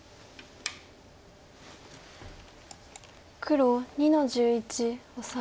黒２の十一オサエ。